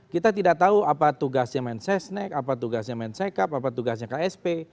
kita tidak tahu apa tugasnya mensesnek apa tugasnya mensekap apa tugasnya ksp